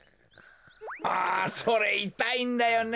あそれいたいんだよね。